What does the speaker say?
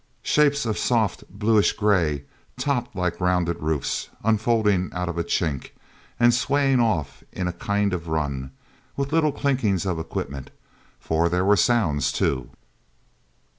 Shapes of soft, bluish grey, topped like rounded roofs, unfolding out of a chink, and swaying off in a kind of run with little clinkings of equipment, for there were sounds, too.